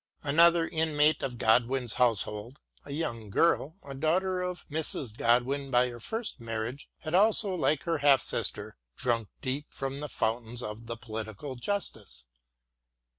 Another inmate of Godwin's household, a young girl, a daughter of Mrs. Godwin by her first husband, had also, like her half sister, drunk deep from the fountains of the Political Justice."